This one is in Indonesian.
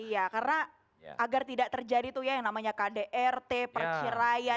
iya karena agar tidak terjadi tuh ya yang namanya kdrt perceraian